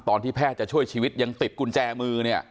แพทย์จะช่วยชีวิตยังติดกุญแจมือเนี่ย